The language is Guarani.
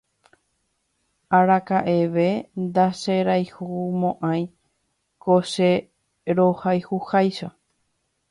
Araka'eve ndacherayhumo'ãi ko che rohayhuháicha